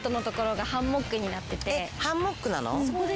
えっハンモックなの？